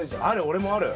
俺もある。